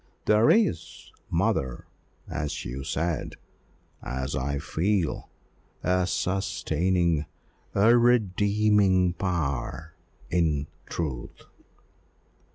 There is, mother, as you said as I feel, a sustaining a redeeming power in truth."